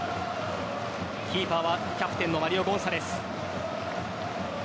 キーパーはキャプテンのマリオ・ゴンサレス。